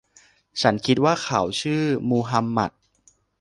ฉันคิดว่าเขาชื่อมูฮัมหมัด